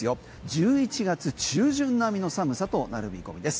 １１月中旬並みの寒さとなる見込みです。